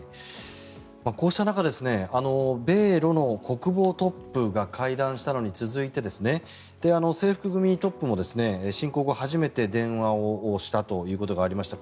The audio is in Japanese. こうした中、米ロの国防トップが会談したのに続いて制服組トップも侵攻後初めて電話をしたということがありました。